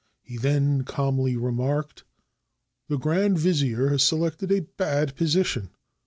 He then calmly remarked, — "The grand vizier has selected a bad position.